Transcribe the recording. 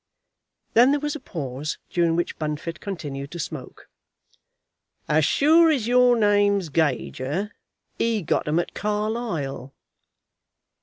Then there was a pause, during which Bunfit continued to smoke. "As sure as your name's Gager, he got 'em at Carlisle."